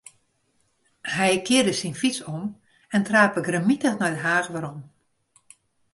Hy kearde syn fyts om en trape grimmitich nei Den Haach werom.